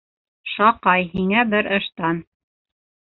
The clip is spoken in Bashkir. Шаҡай, һиңә бер ыштан.